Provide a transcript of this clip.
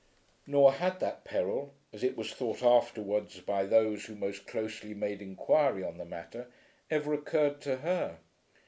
Nor had that peril, as it was thought afterwards by those who most closely made inquiry on the matter, ever occurred to her.